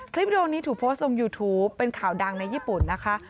วิดีโอนี้ถูกโพสต์ลงยูทูปเป็นข่าวดังในญี่ปุ่นนะคะ